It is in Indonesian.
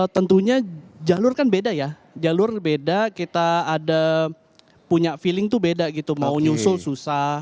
tentunya jalur kan beda ya jalur beda kita ada punya feeling tuh beda gitu mau nyusul susah